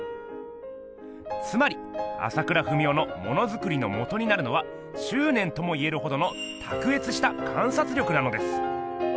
つまり朝倉文夫のものづくりのもとになるのはしゅうねんとも言えるほどのたくえつした観察力なのです。